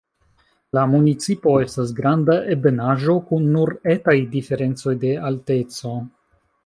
La municipo estas granda ebenaĵo kun nur etaj diferencoj de alteco.